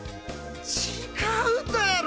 違うだろ！